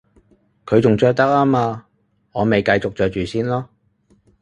佢仲着得吖嘛，我咪繼續着住先囉